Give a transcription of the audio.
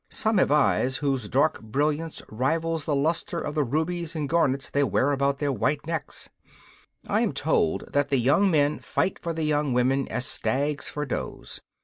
Some have eyes whose dark brilliancy rivals the lustre of the rubies and garnets they wear about their white necks. I am told that the young men fight for the young women as stags for does.